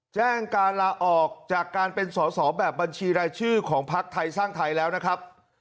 แจ้งการลาออกจากการเป็นสอสอแบบบัญชีรายชื่อของพักไทยสร้างไทยแล้วนะครับ